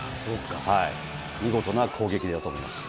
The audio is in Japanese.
見事な攻撃だと思います。